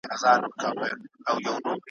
لکه نه وي پردې مځکه زېږېدلی `